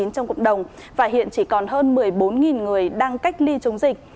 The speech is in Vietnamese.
trong cộng đồng và hiện chỉ còn hơn một mươi bốn người đang cách ly chống dịch